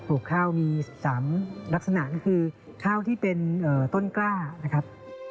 ลูกข้าวมี๓ลักษณะก็คือข้าวที่เป็นต้นกล้านะครับ